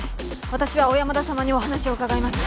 私は小山田様にお話を伺います。